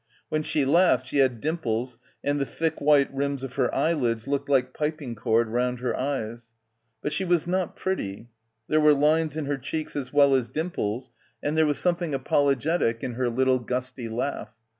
When she laughed she had dimples and the thick white rims of her eyelids looked like piping cord round her eyes. But she was not pretty. There were lines in her cheeks as well as dimples, and there — 160 — BACKWATER was something apologetic in her little gusty laugh.